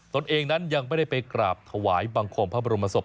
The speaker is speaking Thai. ตนเองนั้นยังไม่ได้ไปกราบถวายบังคมพระบรมศพ